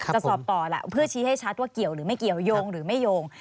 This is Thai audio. สอบต่อแหละเพื่อชี้ให้ชัดว่าเกี่ยวหรือไม่เกี่ยวยงหรือไม่โยง